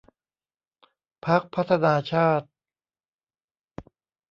พรรคพัฒนาชาติ